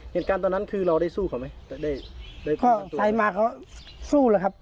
เห็นการตอนนั้นคือเราได้สู้เขาไหมได้ได้ได้ค่ะสายมาเขาสู้เลยครับ